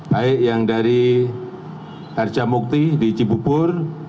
baik yang dari harjamukti di cibubur